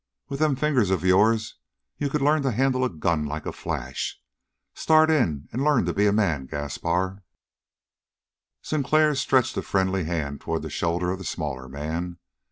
With them fingers of yours you could learn to handle a gun like a flash. Start in and learn to be a man, Gaspar!" Sinclair stretched a friendly hand toward the shoulder of the smaller man.